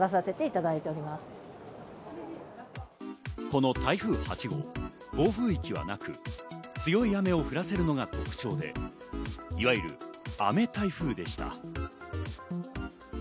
この台風８号、暴風域はなく、強い雨を降らせるのが特徴で、いわゆる雨台風でした。